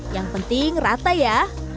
yang penting rata ya